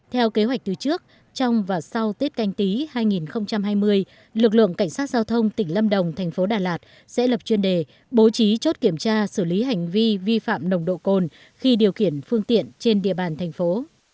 theo kế hoạch từ trước trong và sau tết canh tí hai nghìn hai mươi lực lượng cảnh sát giao thông tỉnh lâm đồng thành phố đà lạt sẽ lập chuyên đề bố trí chốt kiểm tra xử lý hành vi vi phạm nồng độ cồn khi điều khiển phương tiện trên địa bàn thành phố